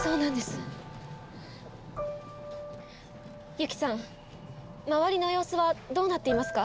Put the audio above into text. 由希さん周りの様子はどうなっていますか？